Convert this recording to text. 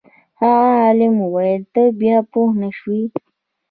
هغه عالم وویل ته بیا پوه نه شوې.